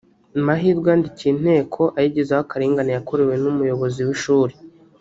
Mahirwe yandikiye Inteko ayigezaho akarengane yakorewe n’Umuyobozi w’Ishuri